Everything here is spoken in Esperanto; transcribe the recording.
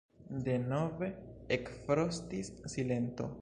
Denove ekfrostis silento.